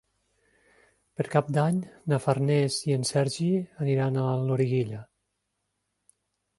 Per Cap d'Any na Farners i en Sergi aniran a Loriguilla.